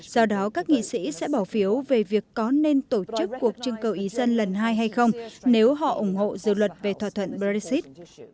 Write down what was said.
do đó các nghị sĩ sẽ bỏ phiếu về việc có nên tổ chức cuộc trưng cầu ý dân lần hai hay không nếu họ ủng hộ dự luật về thỏa thuận brexit